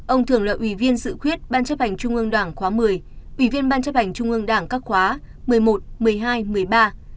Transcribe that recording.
ông thường là ủy viên dự khuyết ban chấp hành trung ương đảng khóa một mươi ủy viên ban chấp hành trung ương đảng các khóa một mươi một một mươi hai một mươi ba